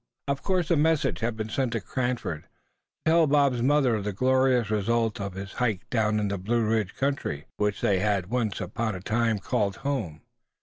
Of course a message had been sent to Cranford, to apprise Bob's mother of the glorious result of his hike down in the Blue Ridge country, which they had once upon a time called home.